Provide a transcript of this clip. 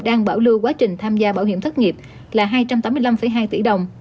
đang bảo lưu quá trình tham gia bảo hiểm thất nghiệp là hai trăm tám mươi năm hai tỷ đồng